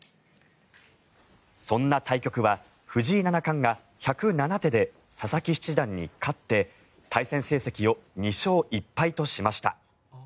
そんな対局は藤井七冠が１０７手で佐々木七段に勝って対戦成績を２勝１敗としました。